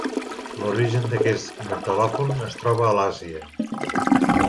L'origen d'aquest metal·lòfon es troba a l'Àsia.